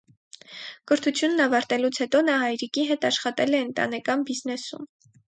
Կրթությունն ավարտելուց հետո նա հայրիկի հետ աշխատել է ընտանեկան բիզնեսում։